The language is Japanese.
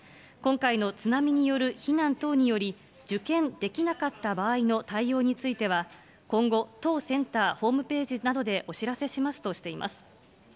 今回の津波による避難等により、受験できなかった場合の対応については、今後、当センターホームページなどでお知らせしますとしています。